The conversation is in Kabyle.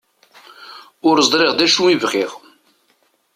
Ur ẓriɣ d acu i bɣiɣ.